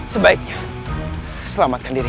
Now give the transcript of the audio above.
sebaiknya selamatkan diri